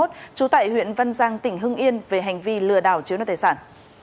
trú tại huyện văn giang tỉnh hưng yên về hành vi lừa đảo chiếu nợ tài sản